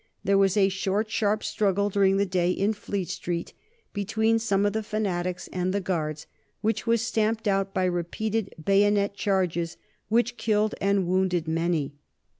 There was a short, sharp struggle during the day in Fleet Street, between some of the fanatics and the Guards, which was stamped out by repeated bayonet charges which killed and wounded many.